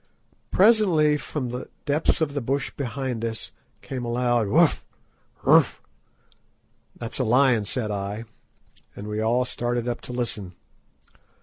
Presently, from the depths of the bush behind us, came a loud "woof, woof!" "That's a lion," said I, and we all started up to listen.